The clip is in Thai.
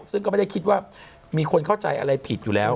ซึ่งก็ไม่ได้คิดว่ามีคนเข้าใจอะไรผิดอยู่แล้ว